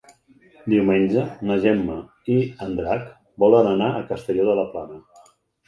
Diumenge na Gemma i en Drac volen anar a Castelló de la Plana.